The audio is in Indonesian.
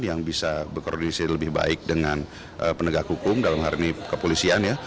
yang bisa berkoordinasi lebih baik dengan penegak hukum dalam hari ini kepolisian ya